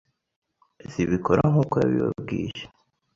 zibikora nk ‘uko yabibabwiye.